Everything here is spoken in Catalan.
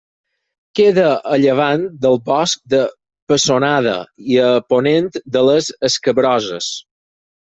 Queda a llevant del Bosc de Pessonada i a ponent de les Escabroses.